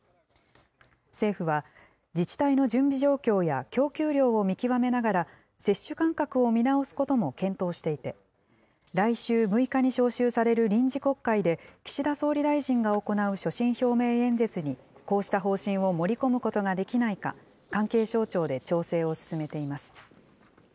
政府は、自治体の準備状況や供給量を見極めながら、接種間隔を見直すことも検討していて、来週６日に召集される臨時国会で、岸田総理大臣が行う所信表明演説にこうした方針を盛り込むことができないか、関係省庁で調整を進めています。